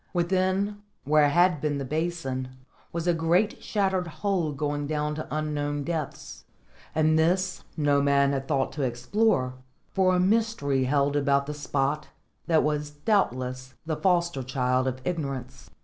Within, where had been the basin, was a great shattered hole going down to unknown depths; and this no man had thought to explore, for a mystery held about the spot that was doubtless the foster child of ignorance.